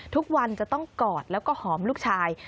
ทุกวันจะต้องกอดแล้วก็หอมลูกชาย